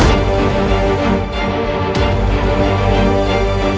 ibu dahat tolong aku